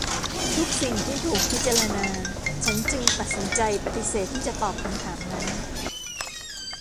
ทุกสิ่งที่ถูกพิจารณา ฉันจึงตัดสินใจปฏิเสธที่จะตอบคำถามนั้น